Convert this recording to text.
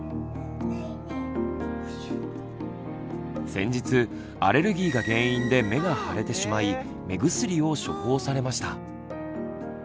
先日アレルギーが原因で目が腫れてしまい目薬を処方されました。